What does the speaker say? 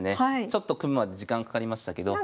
ちょっと組むまで時間かかりましたけど。